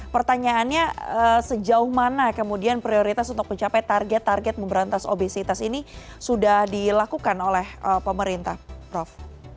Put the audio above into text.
pertanyaannya sejauh mana kemudian prioritas untuk mencapai target target memberantas obesitas ini sudah dilakukan oleh pemerintah prof